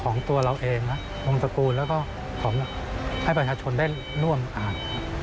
ของตัวเราเองนะวงตระกูลแล้วก็ของให้ประชาชนได้ร่วมอ่าน